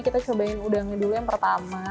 kita cobain udangnya dulu yang pertama